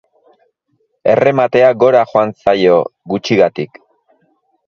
Errematea gora joan zaio, gutxigatik.